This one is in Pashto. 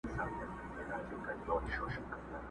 یوازي له منصور سره لیکلی وو ښاغلی!.